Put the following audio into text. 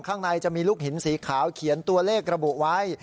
ข้างในจะมีลูกหินสีขาวเขียนตัวเลขระบุไว้